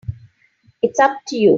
It's up to you.